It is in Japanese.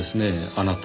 あなた。